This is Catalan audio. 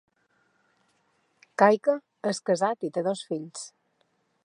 Caica és casat i té dos fills.